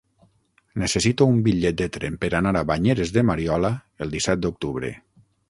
Necessito un bitllet de tren per anar a Banyeres de Mariola el disset d'octubre.